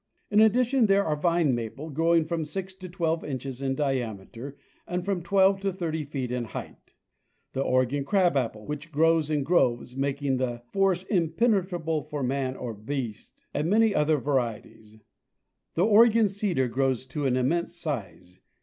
In addition, there are the vine maple, growing from ale John H. Mitchell— Oregon 6 to. 12 inches in diameter and from 12 to 30 feet in height; the Oregon crab apple, which grows in groves, making the forest impenetrable for man or beast; and many other varieties. The Oregon cedar grows to an immense size.